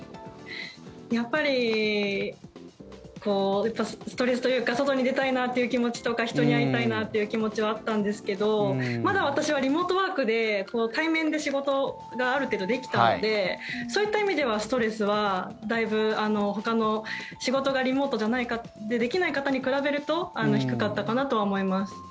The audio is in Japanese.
やっぱりストレスというか外に出たいなという気持ちとか人に会いたいなという気持ちはあったんですけどまだ私はリモートワークで対面で仕事がある程度できたのでそういった意味ではストレスはだいぶほかの、仕事がリモートでできない方に比べると低かったかなとは思います。